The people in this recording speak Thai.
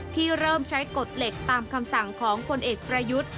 ที่เริ่มใช้กฎเหล็กตามคำสั่งของผลเอกประยุทธ์